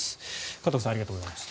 片岡さんありがとうございました。